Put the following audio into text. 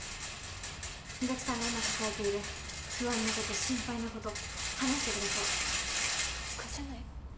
・岬さんが今抱えている不安なこと心配なこと話してください・ばっかじゃないの。